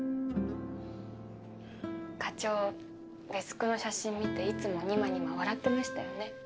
課長デスクの写真見ていつもニマニマ笑ってましたよね。